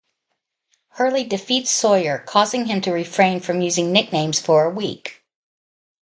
Hurley defeats Sawyer, causing him to refrain from using nicknames for a week.